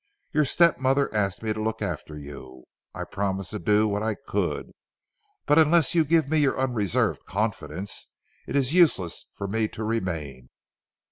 Your step mother asked me to look after you. I promised to do what I could, but unless you give me your unreserved confidence, it is useless for me to remain."